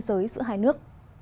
giới giữa hai nước